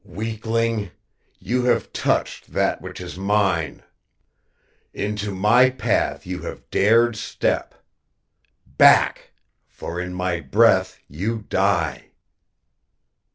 "Weakling, you have touched that which is mine. Into my path you have dared step. Back for in my breath you die!"